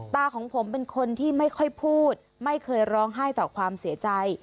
ของผมเป็นคนที่ไม่ค่อยพูดไม่เคยร้องไห้ต่อความเสียใจ